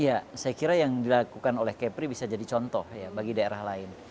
ya saya kira yang dilakukan oleh kepri bisa jadi contoh ya bagi daerah lain